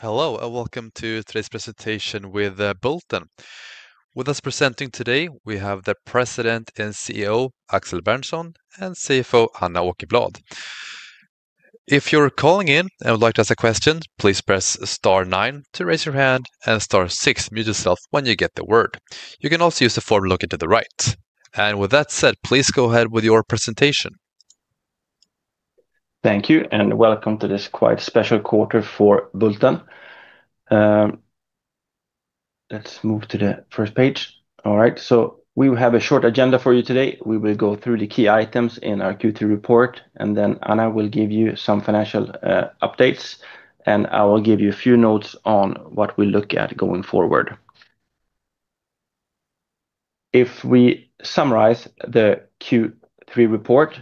Hello and welcome to today's presentation with Bulten. With us presenting today, we have the President and CEO, Axel Berntsson, and CFO, Anna Åkerblad. If you're calling in and would like to ask a question, please press star 9 to raise your hand and star 6 to mute yourself when you get the word. You can also use the form to look into the right. With that said, please go ahead with your presentation. Thank you and welcome to this quite special quarter for Bulten. Let's move to the first page. All right, we have a short agenda for you today. We will go through the key items in our Q3 report, and then Anna will give you some financial updates, and I will give you a few notes on what we look at going forward. If we summarize the Q3 report,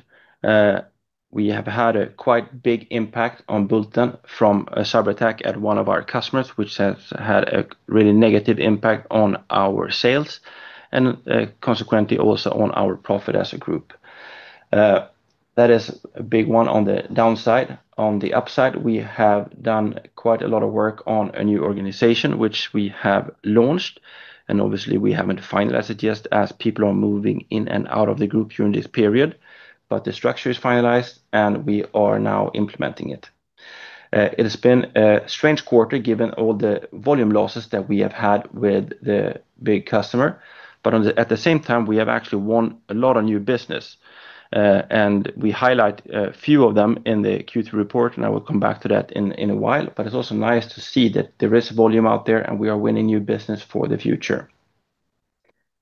we have had a quite big impact on Bulten from a cyber attack at one of our customers, which has had a really negative impact on our sales and consequently also on our profit as a group. That is a big one on the downside. On the upside, we have done quite a lot of work on a new organization, which we have launched, and obviously we haven't finalized it yet as people are moving in and out of the group during this period. The structure is finalized and we are now implementing it. It has been a strange quarter given all the volume losses that we have had with the big customer. At the same time, we have actually won a lot of new business. We highlight a few of them in the Q3 report, and I will come back to that in a while. It is also nice to see that there is volume out there and we are winning new business for the future.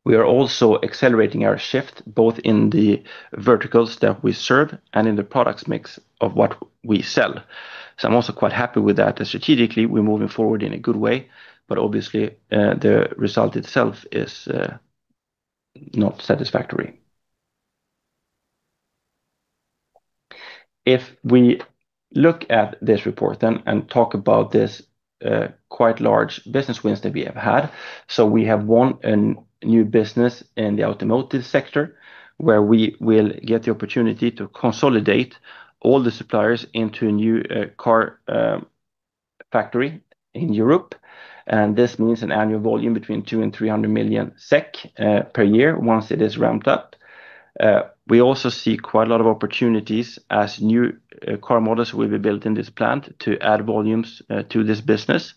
We are also accelerating our shift both in the verticals that we serve and in the products mix of what we sell. I'm also quite happy with that. Strategically, we're moving forward in a good way, but obviously the result itself is not satisfactory. If we look at this report and talk about this quite large business wins that we have had, we have won a new business in the automotive sector where we will get the opportunity to consolidate all the suppliers into a new car factory in Europe. This means an annual volume between 200 million and 300 million SEK per year once it is ramped up. We also see quite a lot of opportunities as new car models will be built in this plant to add volumes to this business.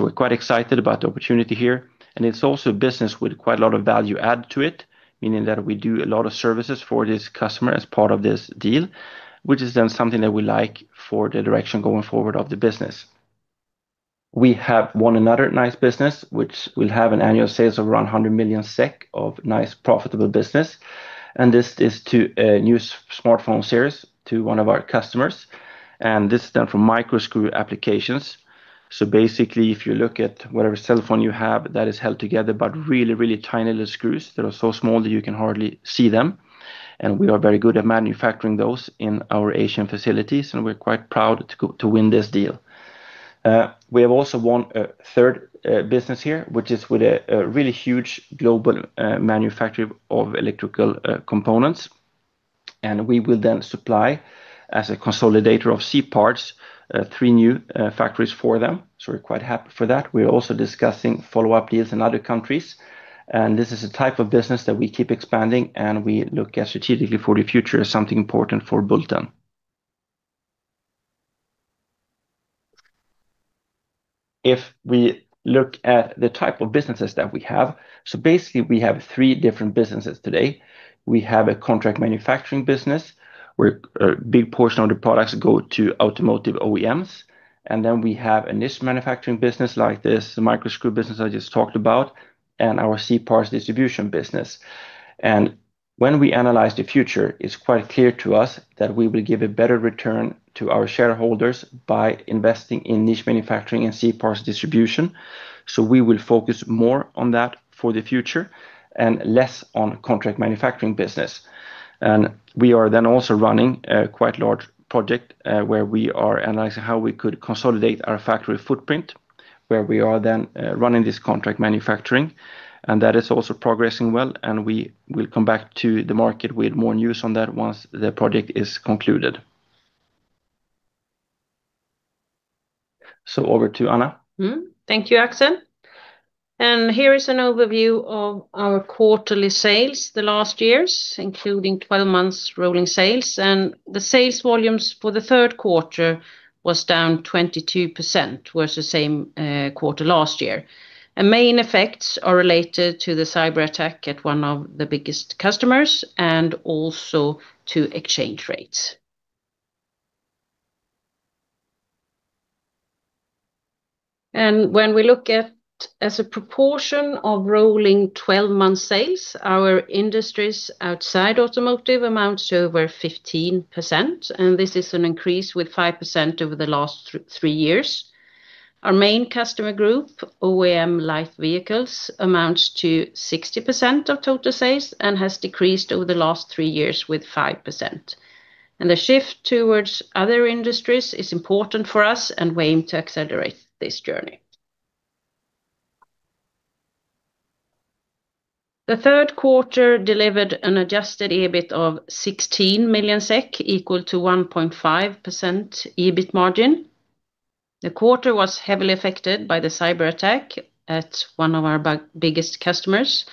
We're quite excited about the opportunity here, and it's also a business with quite a lot of value add to it, meaning that we do a lot of services for this customer as part of this deal, which is then something that we like for the direction going forward of the business. We have won another nice business, which will have an annual sales of around 100 million SEK of nice profitable business. This is to a new smartphone series to one of our customers, and this is done for micro screw applications. If you look at whatever cell phone you have that is held together by really, really tiny little screws that are so small that you can hardly see them, we are very good at manufacturing those in our Asian facilities, and we're quite proud to win this deal. We have also won a third business here, which is with a really huge global manufacturer of electrical components. We will then supply as a consolidator of C parts three new factories for them. We're quite happy for that. We're also discussing follow-up deals in other countries. This is a type of business that we keep expanding, and we look at strategically for the future as something important for Bulten. If we look at the type of businesses that we have, we have three different businesses today. We have a contract manufacturing business where a big portion of the products go to automotive OEMs. Then we have a niche manufacturing business like this micro screw business I just talked about and our C parts distribution business. When we analyze the future, it's quite clear to us that we will give a better return to our shareholders by investing in niche manufacturing and C parts distribution. We will focus more on that for the future and less on contract manufacturing business. We are also running a quite large project where we are analyzing how we could consolidate our factory footprint where we are running this contract manufacturing. That is also progressing well, and we will come back to the market with more news on that once the project is concluded. Over to Anna. Thank you, Axel. Here is an overview of our quarterly sales, the last years, including 12 months rolling sales. The sales volumes for the third quarter were down 22%, which was the same quarter last year. The main effects are related to the cyber attack at one of the biggest customers and also to exchange rates. When we look at as a proportion of rolling 12 months sales, our industries outside automotive amount to over 15%. This is an increase with 5% over the last three years. Our main customer group, OEM light vehicles, amounts to 60% of total sales and has decreased over the last three years with 5%. The shift towards other industries is important for us and we aim to accelerate this journey. The third quarter delivered an adjusted EBIT of 16 million SEK, equal to 1.5% EBIT margin. The quarter was heavily affected by the cyber attack at one of our biggest customers.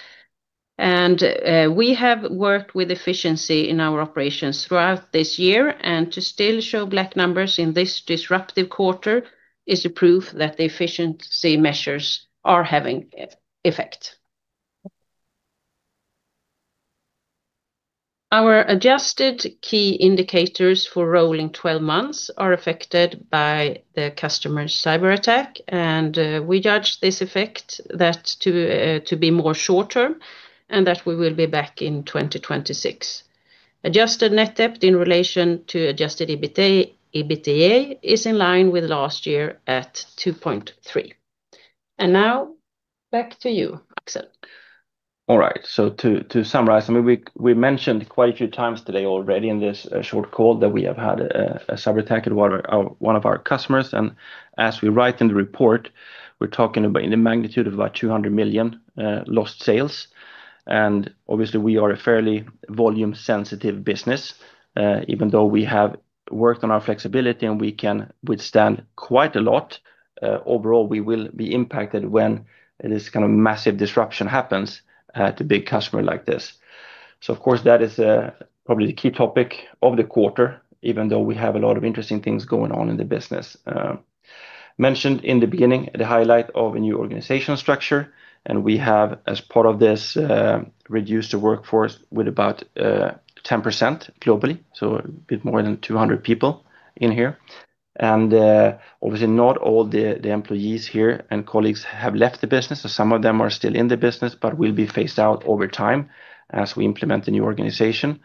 We have worked with efficiency in our operations throughout this year. To still show black numbers in this disruptive quarter is to prove that the efficiency measures are having effect. Our adjusted key indicators for rolling 12 months are affected by the customer's cyber attack. We judge this effect to be more short-term and that we will be back in 2026. Adjusted net debt in relation to adjusted EBITDA is in line with last year at 2.3%. Now back to you, Axel. All right, to summarize, we mentioned quite a few times today already in this short call that we have had a cyber attack at one of our customers. As we write in the report, we're talking about the magnitude of about 200 million lost sales. Obviously, we are a fairly volume-sensitive business. Even though we have worked on our flexibility and we can withstand quite a lot, overall, we will be impacted when this kind of massive disruption happens to a big customer like this. That is probably the key topic of the quarter, even though we have a lot of interesting things going on in the business. Mentioned in the beginning, the highlight of a new organization structure. We have, as part of this, reduced the workforce by about 10% globally, so a bit more than 200 people in here. Obviously, not all the employees and colleagues have left the business. Some of them are still in the business but will be phased out over time as we implement the new organization.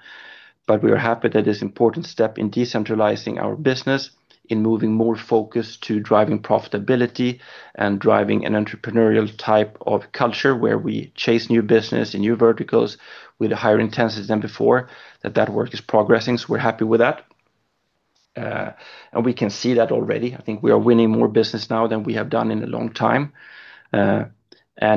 We are happy that this important step in decentralizing our business, in moving more focus to driving profitability and driving an entrepreneurial type of culture where we chase new business in new verticals with a higher intensity than before, that that work is progressing. We are happy with that, and we can see that already. I think we are winning more business now than we have done in a long time. It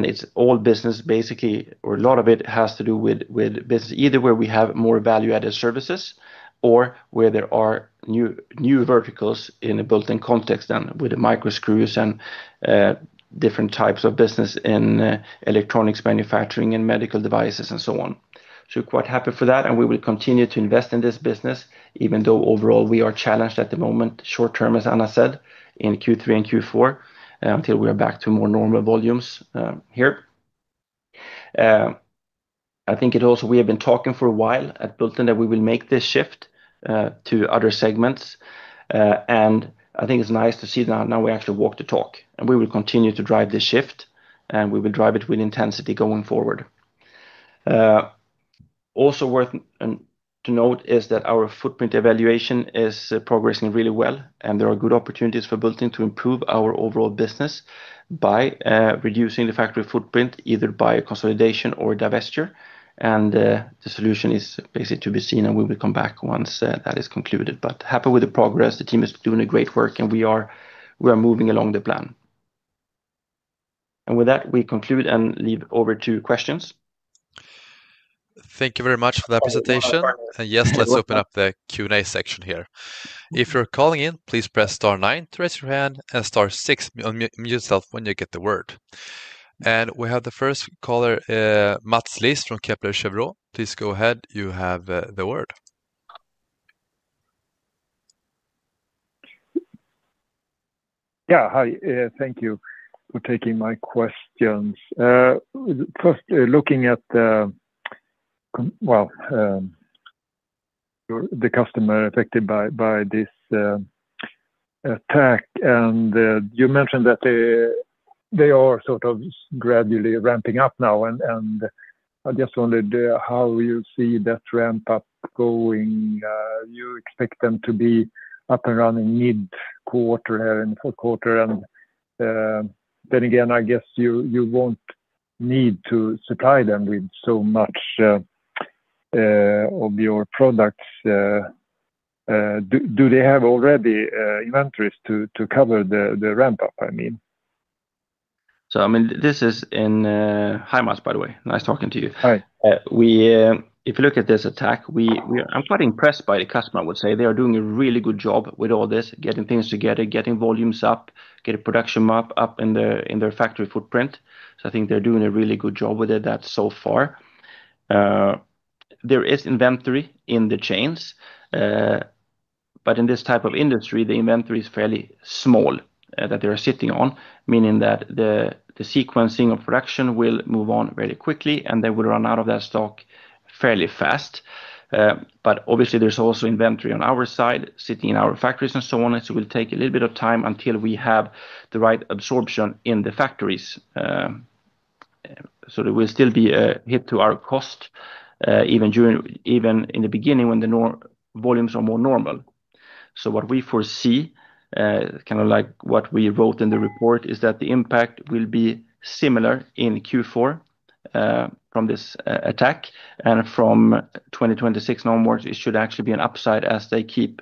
is all business basically, or a lot of it has to do with business either where we have more value-added services or where there are new verticals in a Bulten context with the micro screw applications and different types of business in electronics manufacturing and medical devices and so on. We are quite happy for that, and we will continue to invest in this business, even though overall we are challenged at the moment, short-term, as Anna said, in Q3 and Q4 until we are back to more normal volumes here. It also, we have been talking for a while at Bulten that we will make this shift to other segments. It is nice to see that now we actually walk the talk. We will continue to drive this shift, and we will drive it with intensity going forward. Also worth noting is that our footprint evaluation is progressing really well, and there are good opportunities for Bulten to improve our overall business by reducing the factory footprint either by consolidation or divestiture. The solution is basically to be seen, and we will come back once that is concluded. Happy with the progress. The team is doing great work, and we are moving along the plan. With that, we conclude and leave over to questions. Thank you very much for that presentation. Yes, let's open up the Q&A section here. If you're calling in, please press star nine to raise your hand and star six to mute yourself when you get the word. We have the first caller, Mats Liss from Kepler Cheuvreux. Please go ahead. You have the word. Yeah, hi. Thank you for taking my questions. First, looking at the customer affected by this attack, you mentioned that they are sort of gradually ramping up now. I just wondered how you see that ramp-up going. You expect them to be up and running mid-quarter here in the fourth quarter. I guess you won't need to supply them with so much of your products. Do they already have inventories to cover the ramp-up, I mean? Hi, Mats, by the way. Nice talking to you. Hi. If you look at this attack, I'm quite impressed by the customer, I would say. They are doing a really good job with all this, getting things together, getting volumes up, getting production up in their factory footprint. I think they're doing a really good job with it so far. There is inventory in the chains. In this type of industry, the inventory is fairly small that they are sitting on, meaning that the sequencing of production will move on very quickly. They will run out of that stock fairly fast. Obviously, there's also inventory on our side sitting in our factories and so on. It will take a little bit of time until we have the right absorption in the factories. There will still be a hit to our cost, even in the beginning when the volumes are more normal. What we foresee, kind of like what we wrote in the report, is that the impact will be similar in Q4 from this attack. From 2026 onwards, it should actually be an upside as they keep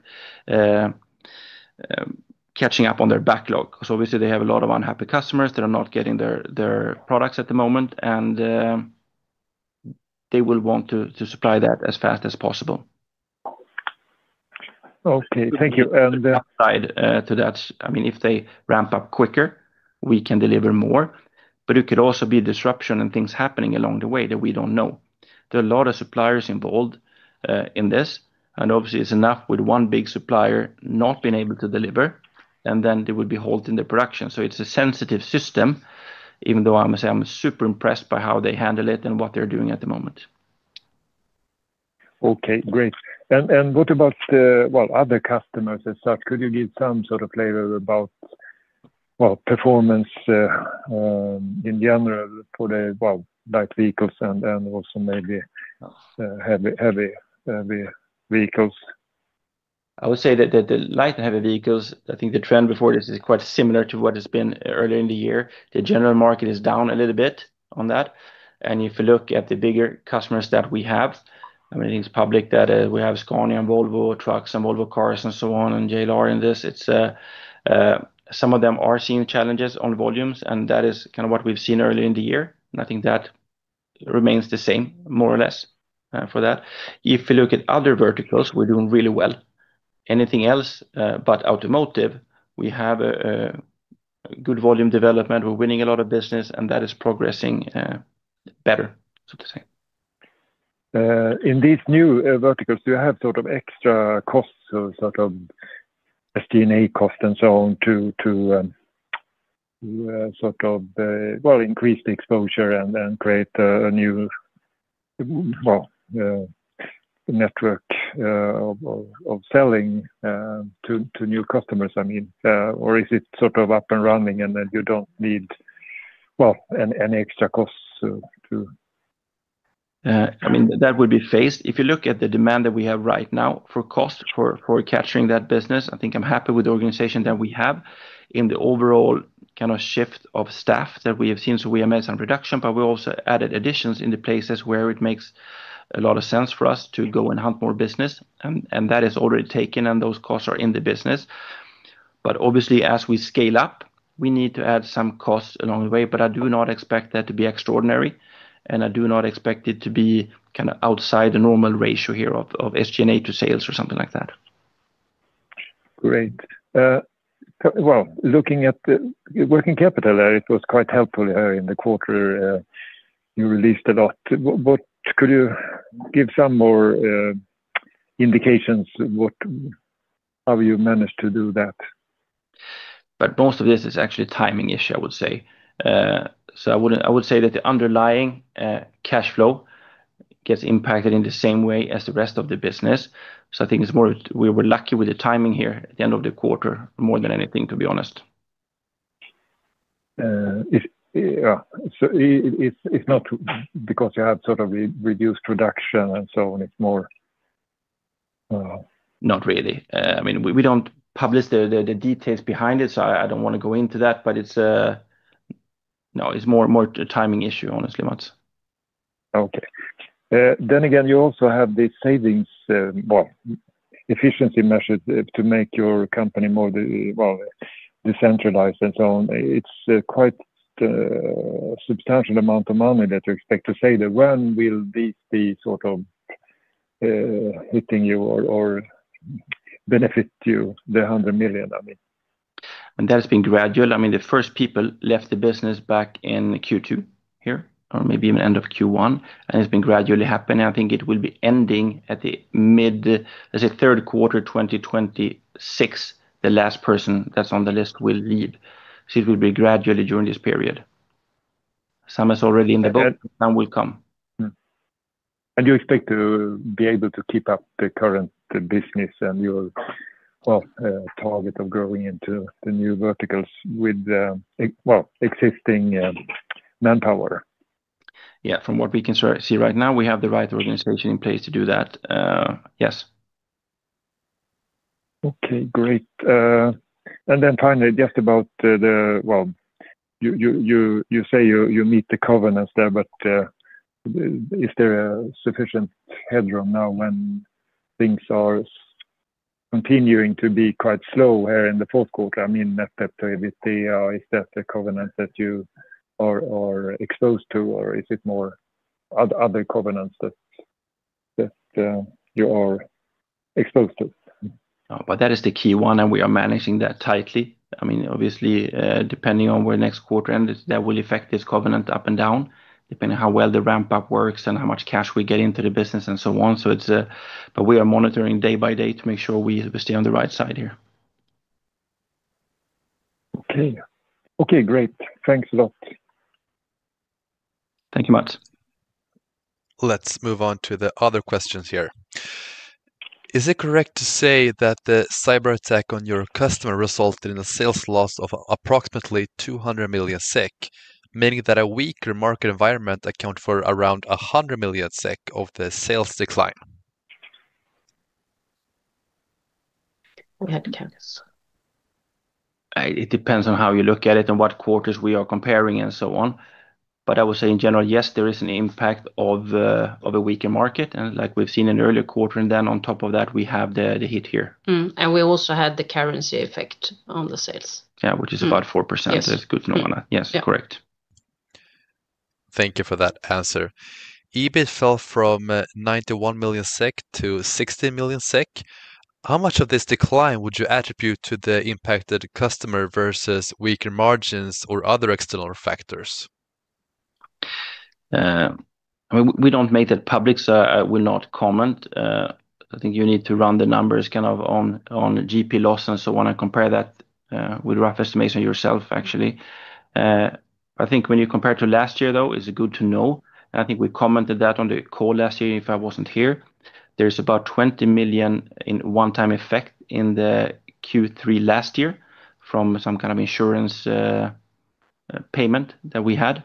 catching up on their backlog. Obviously, they have a lot of unhappy customers that are not getting their products at the moment. They will want to supply that as fast as possible. Okay, thank you. The upside to that, I mean, if they ramp up quicker, we can deliver more. It could also be disruption and things happening along the way that we don't know. There are a lot of suppliers involved in this. Obviously, it's enough with one big supplier not being able to deliver, and then they will be halting the production. It's a sensitive system, even though I'm super impressed by how they handle it and what they're doing at the moment. Okay, great. What about other customers as such? Could you give some sort of flavor about performance in general for the light vehicles and also maybe heavy vehicles? I would say that the light and heavy vehicles, I think the trend before this is quite similar to what has been earlier in the year. The general market is down a little bit on that. If you look at the bigger customers that we have, I mean, I think it's public that we have Scania and Volvo Trucks and Volvo Cars and so on, and JLR in this. Some of them are seeing challenges on volumes. That is kind of what we've seen earlier in the year. I think that remains the same, more or less, for that. If you look at other verticals, we're doing really well. Anything else but automotive, we have a good volume development. We're winning a lot of business, and that is progressing better, so to say. In these new verticals, do you have sort of extra costs, sort of SDNA costs and so on to sort of increase the exposure and create a new network of selling to new customers? I mean, or is it sort of up and running and then you don't need any extra costs? I mean, that would be phased. If you look at the demand that we have right now for cost for catching that business, I think I'm happy with the organization that we have in the overall kind of shift of staff that we have seen. We have made some reduction, but we also added additions in the places where it makes a lot of sense for us to go and hunt more business. That is already taken, and those costs are in the business. Obviously, as we scale up, we need to add some costs along the way. I do not expect that to be extraordinary. I do not expect it to be kind of outside the normal ratio here of SG&A to sales or something like that. Great. Looking at the working capital there, it was quite helpful in the quarter. You released a lot. Could you give some more indications of how you managed to do that? Most of this is actually a timing issue, I would say. I would say that the underlying cash flow gets impacted in the same way as the rest of the business. I think it's more we were lucky with the timing here at the end of the quarter more than anything, to be honest. It is not because you have sort of reduced production and so on. It is more. Not really. I mean, we don't publish the details behind it. I don't want to go into that. No, it's more a timing issue, honestly, Mats. You also have the savings, efficiency measures to make your company more decentralized and so on. It's quite a substantial amount of money that you expect. When will this be sort of hitting you or benefit you, the 100 million, I mean? That has been gradual. The first people left the business back in Q2 here or maybe even end of Q1. It has been gradually happening. I think it will be ending at the mid, let's say, third quarter 2026. The last person that's on the list will leave. It will be gradually during this period. Some are already in the boat. Some will come. Do you expect to be able to keep up the current business and your target of growing into the new verticals with existing manpower? Yeah, from what we can see right now, we have the right organization in place to do that. Yes. Okay, great. Finally, just about the, you say you meet the covenants there, but is there a sufficient headroom now when things are continuing to be quite slow here in the fourth quarter? I mean, net debt to EBITDA, is that the covenant that you are exposed to, or is it more other covenants that you are exposed to? That is the key one. We are managing that tightly. Obviously, depending on where the next quarter ends, that will affect this covenant up and down, depending on how well the ramp-up works and how much cash we get into the business and so on. We are monitoring day by day to make sure we stay on the right side here. Okay. Great. Thanks a lot. Thank you, Mats. Let's move on to the other questions here. Is it correct to say that the cyber attack on your customer resulted in a sales loss of approximately 200 million SEK, meaning that a weaker market environment accounts for around 100 million SEK of the sales decline? Go ahead, Cas. It depends on how you look at it and what quarters we are comparing and so on. I would say in general, yes, there is an impact of a weaker market, like we've seen in earlier quarters. On top of that, we have the hit here. We also had the currency effect on the sales. Yeah, which is about 4%. It's good to know. Yes, correct. Thank you for that answer. EBIT fell from 91 million SEK to 60 million SEK. How much of this decline would you attribute to the impacted customer versus weaker margins or other external factors? I mean, we don't make that public, so I will not comment. I think you need to run the numbers kind of on GP loss and so on and compare that with a rough estimation yourself, actually. I think when you compare to last year, though, it's good to know. I think we commented that on the call last year if I wasn't here. There's about 20 million in one-time effect in Q3 last year from some kind of insurance payment that we had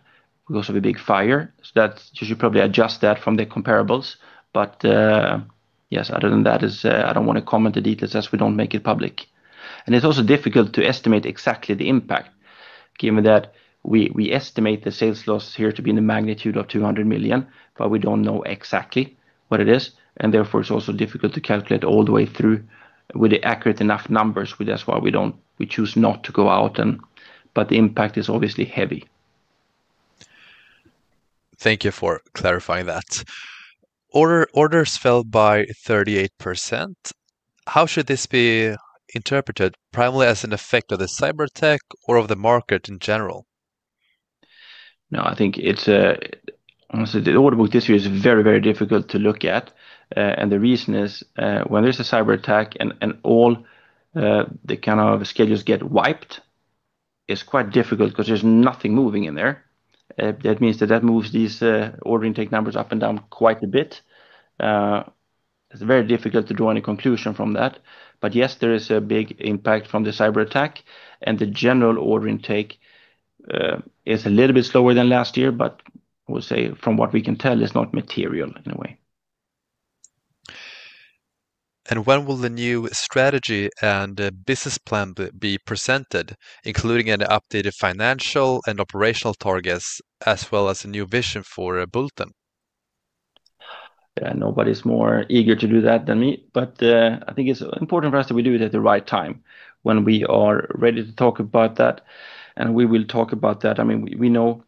because of a big fire. You should probably adjust that from the comparables. Other than that, I don't want to comment the details as we don't make it public. It's also difficult to estimate exactly the impact, given that we estimate the sales loss here to be in the magnitude of 200 million, but we don't know exactly what it is. Therefore, it's also difficult to calculate all the way through with accurate enough numbers. That's why we choose not to go out. The impact is obviously heavy. Thank you for clarifying that. Orders fell by 38%. How should this be interpreted, primarily as an effect of the cyber attack or of the market in general? No, I think it's honestly, the order book this year is very, very difficult to look at. The reason is when there's a cyber attack and all the kind of schedules get wiped, it's quite difficult because there's nothing moving in there. That means that moves these order intake numbers up and down quite a bit. It's very difficult to draw any conclusion from that. Yes, there is a big impact from the cyber attack. The general order intake is a little bit slower than last year, but I would say from what we can tell, it's not material in a way. When will the new strategy and business plan be presented, including updated financial and operational targets, as well as a new vision for Bulten? Yeah, nobody's more eager to do that than me. I think it's important for us that we do it at the right time when we are ready to talk about that. We will talk about that. I mean, we know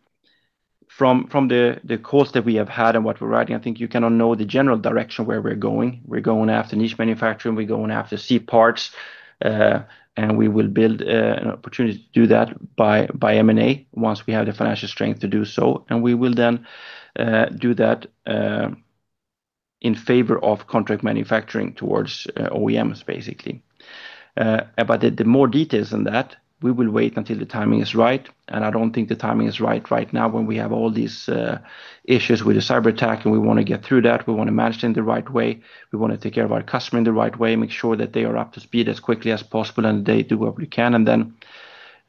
from the calls that we have had and what we're writing, I think you kind of know the general direction where we're going. We're going after niche manufacturing. We're going after C parts. We will build an opportunity to do that by M&A once we have the financial strength to do so. We will then do that in favor of contract manufacturing towards OEMs, basically. For more details than that, we will wait until the timing is right. I don't think the timing is right right now when we have all these issues with the cyber attack. We want to get through that. We want to manage it in the right way. We want to take care of our customer in the right way, make sure that they are up to speed as quickly as possible, and they do what we can.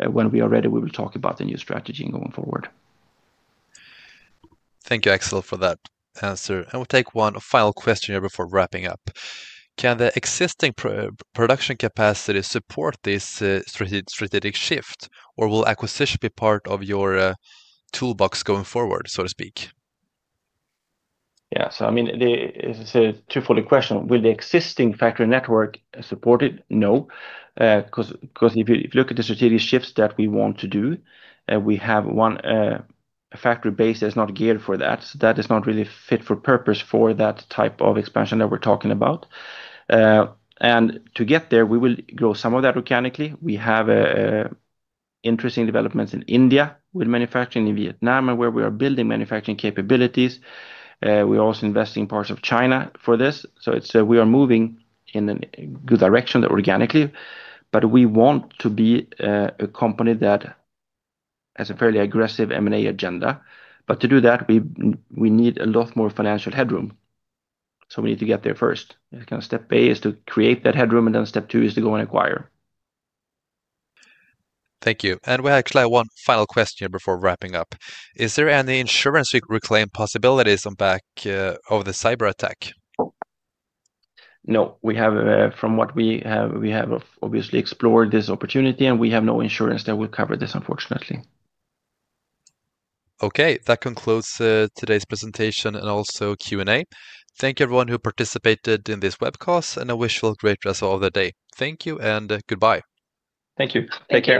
When we are ready, we will talk about the new strategy and going forward. Thank you, Axel, for that answer. We'll take one final question here before wrapping up. Can the existing production capacity support this strategic shift, or will acquisition be part of your toolbox going forward, so to speak? Yeah, so I mean, it's a twofold question. Will the existing factory network support it? No, because if you look at the strategic shifts that we want to do, we have one factory base that is not geared for that. That does not really fit for purpose for that type of expansion that we're talking about. To get there, we will grow some of that organically. We have interesting developments in India with manufacturing in Vietnam, and we are building manufacturing capabilities. We are also investing in parts of China for this. We are moving in a good direction organically. We want to be a company that has a fairly aggressive M&A agenda. To do that, we need a lot more financial headroom. We need to get there first. Kind of step A is to create that headroom, and then step two is to go and acquire. Thank you. We actually have one final question before wrapping up. Is there any insurance we could reclaim possibilities on back of the cyber attack? No, from what we have, we have obviously explored this opportunity, and we have no insurance that will cover this, unfortunately. Okay, that concludes today's presentation and also Q&A. Thank you, everyone who participated in this webcast, and I wish you a great rest of the day. Thank you and goodbye. Thank you. Take care.